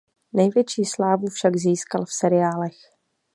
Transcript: Největší slávu však získal v seriálech.